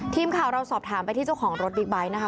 ทีมข่าวเราสอบถามไปที่เจ้าของรถบิ๊กไบท์นะคะ